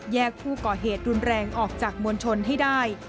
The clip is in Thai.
ผู้ก่อเหตุรุนแรงออกจากมวลชนให้ได้